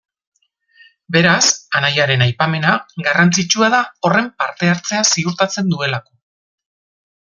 Beraz, anaiaren aipamena garrantzitsua da horren parte-hartzea ziurtatzen duelako.